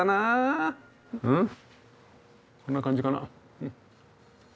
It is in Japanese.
こんな感じかな？